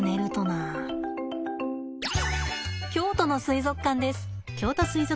京都の水族館です。